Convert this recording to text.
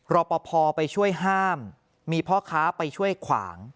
รอปภไปช่วยห้ามมีพ่อค้าไปช่วยขวาง